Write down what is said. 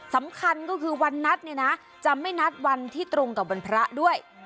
สำคัญก็คือวันนัดเนี่ยนะจะไม่นัดวันที่ตรงกับวันพระด้วย